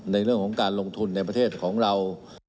ในเรื่องของการลงทุนในประเทศของเรา